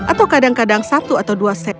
atau kadang kadang sapu